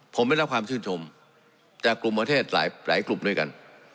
ผมได้รับความชื่นชมจากกลุ่มประเทศหลายกลุ่มด้วยกัน